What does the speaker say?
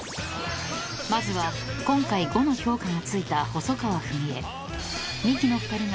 ［まずは今回５の評価が付いた細川ふみえ］